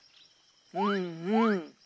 うんうん。